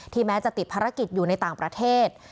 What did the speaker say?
แม้จะติดภารกิจอยู่ในต่างประเทศ